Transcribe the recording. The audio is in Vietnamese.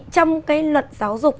trong cái luật giáo dục